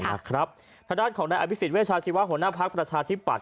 ธนาฬิกาของนายอภิกษิศเวชาชีวะหัวหน้าภักดิ์ประชาธิปัตย์